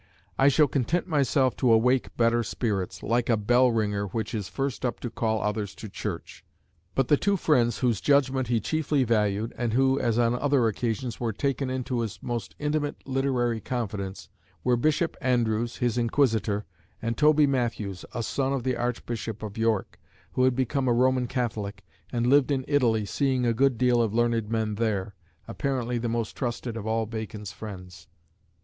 "I shall content myself to awake better spirits, like a bell ringer, which is first up to call others to church." But the two friends whose judgment he chiefly valued, and who, as on other occasions, were taken into his most intimate literary confidence, were Bishop Andrewes, his "inquisitor," and Toby Matthews, a son of the Archbishop of York, who had become a Roman Catholic, and lived in Italy, seeing a good deal of learned men there, apparently the most trusted of all Bacon's friends.